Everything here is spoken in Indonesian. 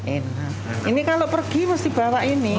ini kalau pergi mesti bawa ini